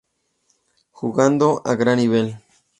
Jugando a gran nivel.